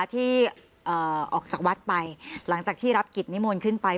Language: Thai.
ที่ออกจากวัดไปหลังจากที่รับกิจนิมนต์ขึ้นไป